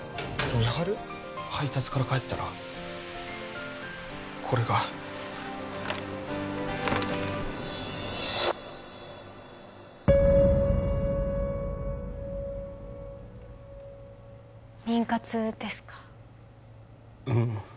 配達から帰ったらこれが妊活ですかうん